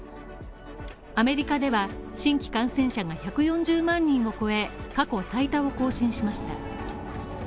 アメリカでは、新規感染者が１４０万人を超え、過去最多を更新しました。